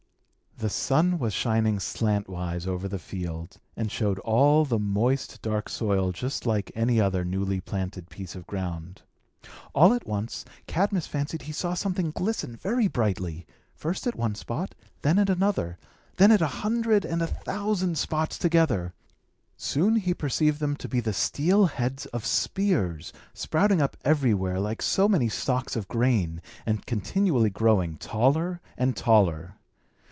The sun was shining slantwise over the field, and showed all the moist, dark soil just like any other newly planted piece of ground. All at once, Cadmus fancied he saw something glisten very brightly, first at one spot, then at another, and then at a hundred and a thousand spots together. Soon he perceived them to be the steel heads of spears, sprouting up everywhere like so many stalks of grain, and continually growing taller and taller.